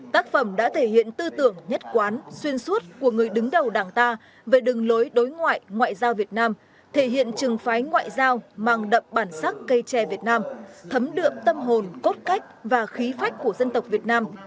tác phẩm đã thể hiện tư tưởng nhất quán xuyên suốt của người đứng đầu đảng ta về đường lối đối ngoại ngoại giao việt nam thể hiện trừng phái ngoại giao mang đậm bản sắc cây tre việt nam thấm đượm tâm hồn cốt cách và khí phách của dân tộc việt nam